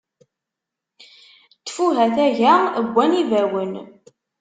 Ttfuh a taga, wwan ibawen!